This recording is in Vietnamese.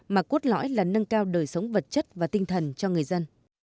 mà cốt lõi là nâng cao đời sống vật chất và tinh thần cho người dân